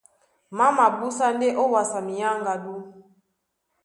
Má mabúsá ndé ówàsá minyáŋgádú.